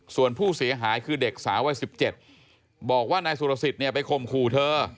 ส่วนผู้เสียหายคือเด็กสาววัย๑๗บอกว่านายสุรสิทธิ์ไปข่มขู่เธอ